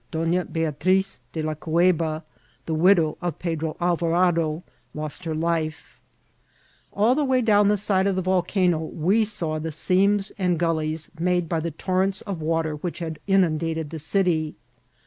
Dona Beatrice de la Cueba, the widow of Pedro Alvarado, lost her life." COMTBMT OP CIUDAD TISJA. 861 All the way down the side of the voleano we saw the seams and gullies made by the tonents of water which had inundated the city.